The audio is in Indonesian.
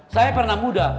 saya pernah muda